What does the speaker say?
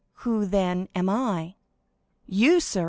"Who, then, am I?" "You, sir?